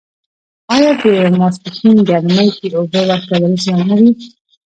آیا د ماسپښین ګرمۍ کې اوبه ورکول زیان لري؟